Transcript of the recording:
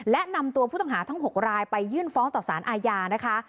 และนำตัวผู้ต้องหาทั้ง๖รายไปยื่นฟ้องต่อสารอาญานะคะ